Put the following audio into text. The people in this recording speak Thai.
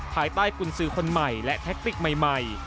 ภายใต้กุญสือคนใหม่และแท็กติกใหม่